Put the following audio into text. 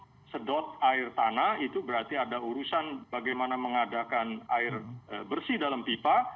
untuk sedot air tanah itu berarti ada urusan bagaimana mengadakan air bersih dalam pipa